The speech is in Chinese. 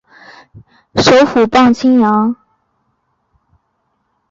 首府磅清扬。